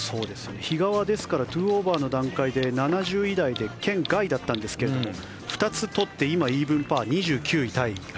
比嘉は２オーバーの段階で７０位台で圏外だったんですけども２つとって今、イーブンパー２９位タイ。